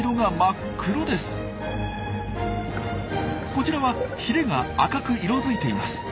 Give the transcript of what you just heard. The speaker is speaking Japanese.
こちらはヒレが赤く色づいています。